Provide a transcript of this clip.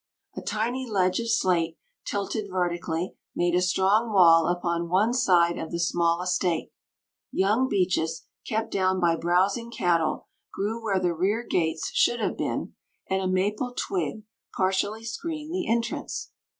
A tiny ledge of slate, tilted vertically, made a strong wall upon one side of the small estate; young beeches, kept down by browsing cattle, grew where the rear gates should have been, and a maple twig partially screened the entrance.